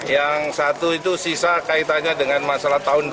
yang satu itu sisa kaitannya dengan masalah tahun dua ribu